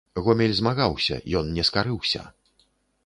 Гомель змагаўся, ён не скарыўся.